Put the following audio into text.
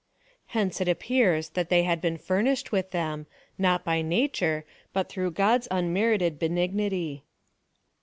Hence it appears, that they had been furnished with them — not by nature, but through God's unmerited benignity.